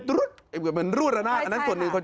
ตุ๊ดเป็นรูดระนาดอันนั้นส่วนอื่น